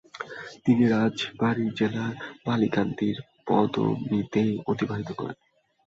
তিনি রাজবাড়ী জেলার বালিয়াকান্দির পদমদীতে অতিবাহিত করেন।